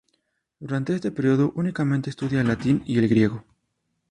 Durante este periodo, únicamente estudia el latín y el griego.